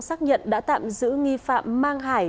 xác nhận đã tạm giữ nghi phạm mang hải